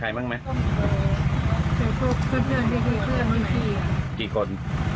เยอะอื่น